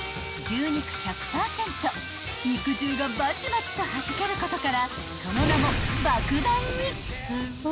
［肉汁がバチバチとはじけることからその名も］